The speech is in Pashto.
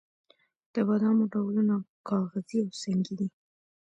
د بادامو ډولونه کاغذي او سنګي دي.